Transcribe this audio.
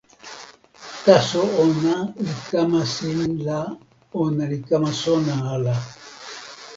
taso ona li kama sin la ona li kama sona ala.